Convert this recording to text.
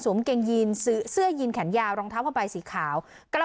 กางเกงยีนเสื้อยีนแขนยาวรองเท้าผ้าใบสีขาว